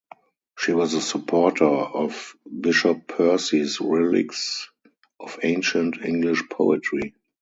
She was a supporter of Bishop Percy's Reliques of Ancient English Poetry.